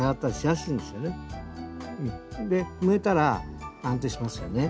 埋めたら安定しますよね。